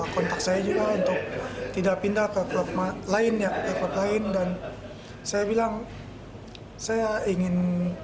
kontak saya juga untuk tidak pindah ke klub lain ya ke klub lain dan saya bilang saya ingin